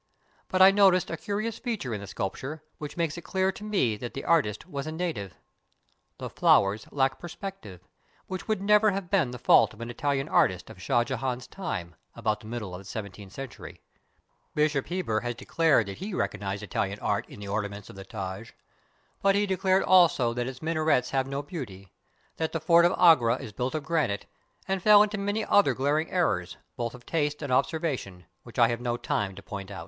But I noticed a curious feature in the sculpture, which makes it clear to me that the artist was a native. The flowers lack perspective, which would never have been the fault of an Itahan artist of Shah Jehan's time — about the middle of the seven teenth centuT}'. Bishop Heber has declared that he recognized ItaUan art in the ornaments of the Taj. but he declared also that its minarets have no beauty, that the Fort of Agra is built of granite, and fell into many other glaring errors, both of taste and obser\ ation, which I have no time to point out.